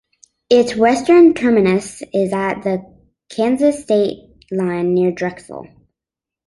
Its western terminus is at the Kansas state line near Drexel.